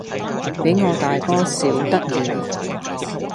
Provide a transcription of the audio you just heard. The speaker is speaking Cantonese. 比我大哥小得遠，